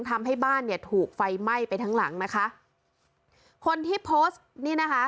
ทำให้บ้านเนี่ยถูกไฟไหม้ไปทั้งหลังนะคะคนที่โพสต์นี่นะคะ